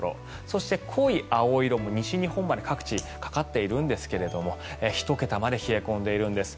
そして、濃い青色も西日本まで各地かかっているんですが１桁まで冷え込んでいるんです。